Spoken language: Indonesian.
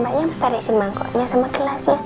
mbak yang perisi mangkuknya sama gelas ya